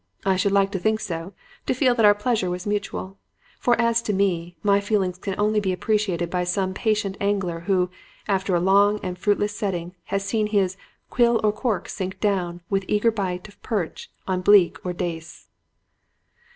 I should like to think so, to feel that our pleasure was mutual. For as to me, my feelings can only be appreciated by some patient angler who, after a long and fruitless sitting, has seen his "'quill or cork down sink With eager bite of perch or bleak or dace.'